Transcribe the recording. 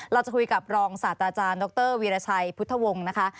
เราจะคุยกับรองศาสตราจารย์ดรวีรชัยพุทธวงศ์นะคะ